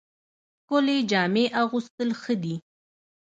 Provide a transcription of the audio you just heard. ښکلې جامې اغوستل ښه دي